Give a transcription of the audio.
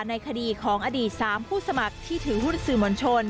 ในคดีของอดีต๓ผู้สมัครที่ถือหุ้นสื่อมวลชน